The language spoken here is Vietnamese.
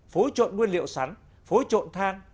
phối trộn nguyên liệu sắn phối trộn than